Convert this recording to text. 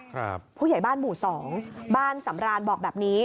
ผู้ใหญ่บ้านหมู่สองบ้านสำรานบอกแบบนี้